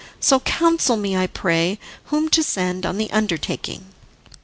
So counsel me, I pray, whom to send on the undertaking."